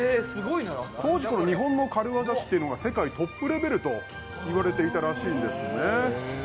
当時、日本の軽業師というのが世界トップレベルといわれていたらしいんですね。